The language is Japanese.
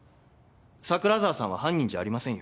桜沢さんは犯人じゃありませんよ。